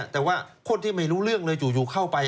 แต่ว่าคนที่ไม่รู้เรื่องเลยจู่เข้าไป